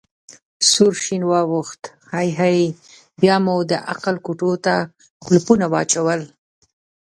سور شین واوښت: هی هی، بیا مو د عقل کوټو ته کولپونه واچول.